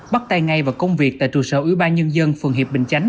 bắt tay ngay vào công việc tại trụ sở ủy ban nhân dân phường hiệp bình chánh